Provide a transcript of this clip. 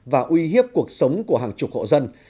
và uy hiếp cuộc sống của hàng chục hộ dân